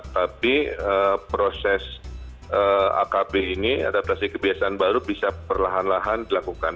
tapi proses akb ini adaptasi kebiasaan baru bisa perlahan lahan dilakukan